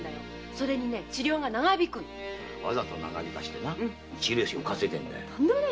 それに治療が長引くの。わざと長引かせて治療費を稼ぐのよ。